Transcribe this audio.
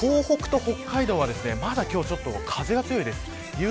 東北と北海道はまだ風が強いです。